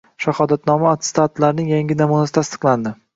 Shahodatnoma va attestatlarning yangi namunasi tasdiqlandi